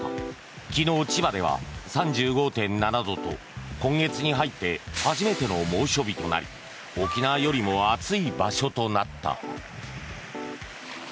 昨日、千葉では３５．７度と今月に入って初めての猛暑日となり沖縄よりも暑い場所となった。